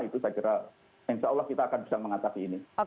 insya allah kita akan bisa mengatasi ini